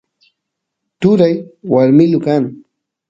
turay warmilu kan